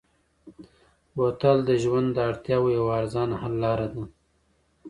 بوتل د ژوند د اړتیاوو یوه ارزانه حل لاره ده.